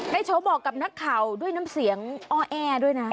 โฉบอกกับนักข่าวด้วยน้ำเสียงอ้อแอด้วยนะ